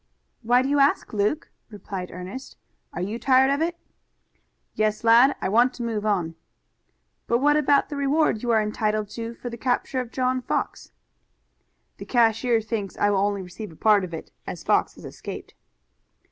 "Why do you ask, Luke?" replied Ernest. "Are you tired of it?" "Yes, lad, I want to move on." "But what about the reward you are entitled to for the capture of John Fox?" "The cashier thinks I will only receive a part of it, as Fox has escaped."